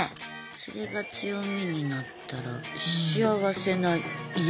それが強みになったら幸せな家になるよね。